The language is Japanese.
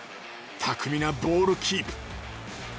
巧みなボールキープ。